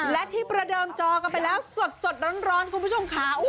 และที่ประเดิมจอกันไปแล้วสดร้อนคุณผู้ชมค่ะ